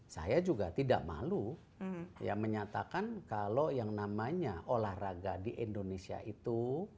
saya juga tidak malu menyatakan kalau yang namanya olahraga di indonesia itu